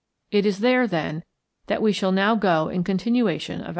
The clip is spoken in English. It is there, then, that we shall now go in continuation of our story.